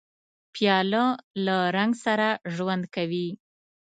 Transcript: پیاله له رنګ سره ژوند کوي.